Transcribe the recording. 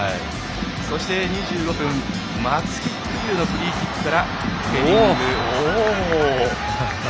そして２５分松木玖生のフリーキックからヘディング。